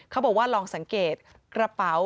เขาบอกว่าลองสังเกตกระเป๋า